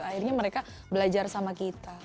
akhirnya mereka belajar sama kita